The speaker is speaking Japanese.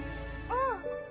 うん。